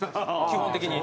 基本的に。